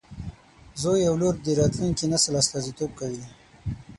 زوی او لور د راتلونکي نسل استازیتوب کوي.